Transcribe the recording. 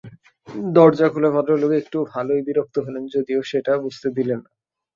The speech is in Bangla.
দরজা খুলে ভদ্রলোক একটু ভালোই বিরক্ত হলেন যদিও সেটা বুঝতে দিলেন না।